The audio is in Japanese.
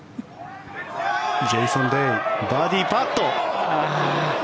ジェイソン・デイバーディーパット。